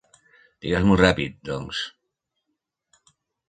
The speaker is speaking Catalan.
Digues-m'ho ràpid, doncs.